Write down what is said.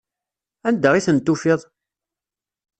Anda i tent-tufiḍ?